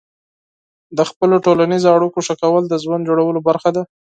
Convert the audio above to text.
د خپلو ټولنیزو اړیکو ښه کول د ژوند جوړولو برخه ده.